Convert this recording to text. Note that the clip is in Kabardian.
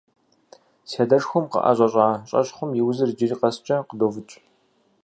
Си адэшхуэм къыӀэщӀэщӀа щӀэщхъум и узыр иджыри къэскӀэ къыдофыкӀ.